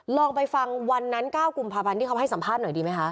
ลองไปฟังวันนั้น๙กุมภาพันธ์ที่เขาให้สัมภาษณ์หน่อยดีไหมคะ